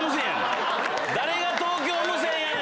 誰が東京無線やねん。